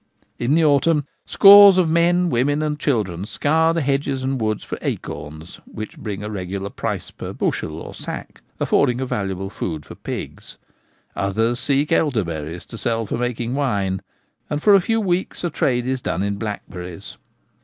In the autumn scores of men, women, and children scour the hedges and woods for acorns, which bring a regular price per bushel or sack, affording a valuable food for pigs. Others seek elderberries to sell for making wine, and for a few weeks a trade is done in blackberries.